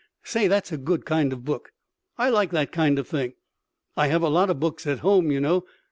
Say, that's a good kind of book. I like that kind of thing. I have a lot of books at home, you know.